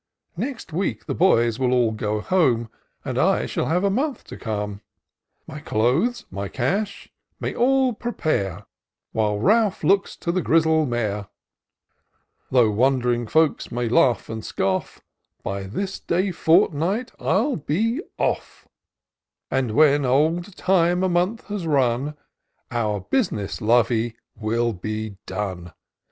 Next week the boys will all go home. And I shall have a month to come. My clothes, my cash, my all prepare ; While Ralph looks to the grizzle mare. Tho' wond'ring folks may laugh and scoff, By this day fortnight 111 be off; And when old Time a month has run, Our bus'ness, Lovey, will be done.